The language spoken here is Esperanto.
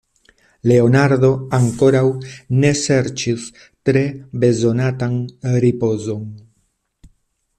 Leonardo ankoraŭ ne serĉis tre bezonatan ripozon.